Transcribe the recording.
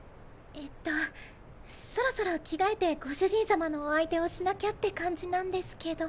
えっとそろそろ着替えてご主人さまのお相手をしなきゃって感じなんですけど。